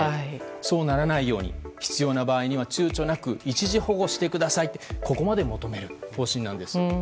そうならないように必要な場合には躊躇なく一時保護してくださいとここまで求める方針です。